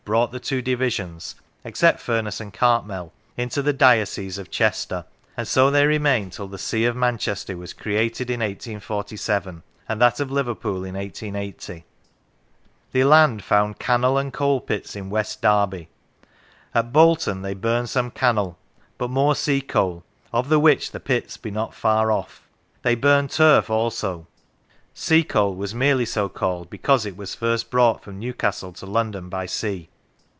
brought the two divisions (except Furness and Cartmel) into the diocese of Chester, and so they remained till the see of Man chester was created in 1847 and that of Liverpool in 1880. Leland found cannel and coal pits in West Derby. " At Bolton they burn some cannel, but more sea coal, of the which the pits be not far off. They burn turf also." (Sea coal was merely so called because it was first brought from Newcastle to London by sea.)